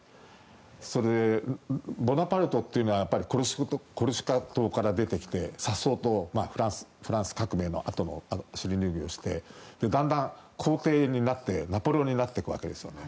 それでボナパルトというのはコルシカ島から出てきてさっそうとフランス革命のあとの尻拭いをしてだんだん皇帝になってナポレオンになっていくわけです。